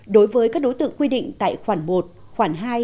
đối với các đối tượng quy định tại khoản một khoản hai